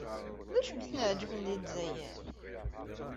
D acu ay ten-iɛejben deg Lezzayer?